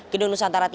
gedung nusantara tiga